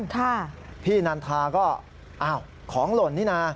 ค่ะพี่นันทาก็อ้าวของหล่นนี่นะ